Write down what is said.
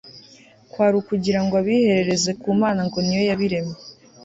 kwarukugira ngw abiherereze ku Mana ngo ni yo yabiremye